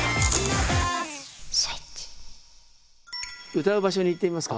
歌う場所に行ってみますか？